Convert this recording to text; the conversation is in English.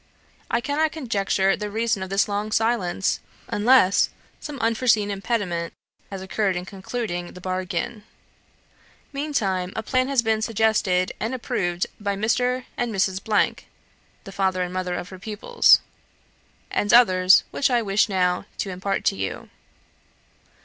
I cannot conjecture the reason of this long silence, unless some unforeseen impediment has occurred in concluding the bargain. Meantime, a plan has been suggested and approved by Mr. and Mrs. " (the father and mother of her pupils) "and others, which I wish now to impart to you.